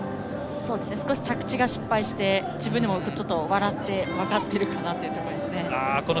少し着地に失敗して自分でも笑って、分かっているという感じですね。